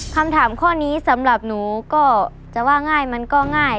คำถามข้อนี้สำหรับหนูก็จะว่าง่ายมันก็ง่าย